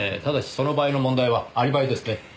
ただしその場合の問題はアリバイですね。